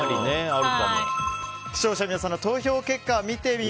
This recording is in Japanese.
視聴者の皆さんの投票結果です。